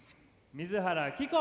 水原希子。